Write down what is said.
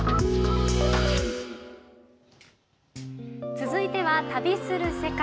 続いては「旅する世界」。